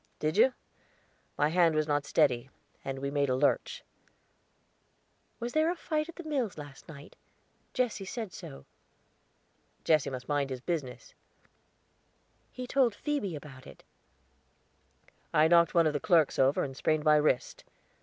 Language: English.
"Did you? My hand was not steady, and we made a lurch." "Was there a fight at the mills last night? Jesse said so." "Jesse must mind his business." "He told Phoebe about it." "I knocked one of the clerks over and sprained my wrist."